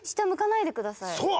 そう！